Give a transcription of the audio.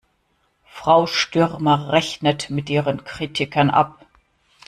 Frau Stürmer rechnet mit ihren Kritikern ab.